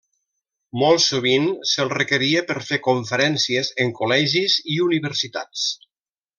Molt sovint se’l requeria per fer conferències en col·legis i universitats.